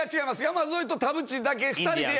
山添と田渕だけ２人で。